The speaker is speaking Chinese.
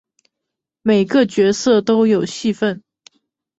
每个角色都有戏份